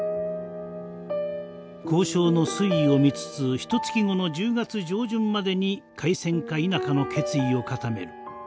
「交渉の推移を見つつ１か月後の１０月上旬までに開戦か否かの決意を固める」。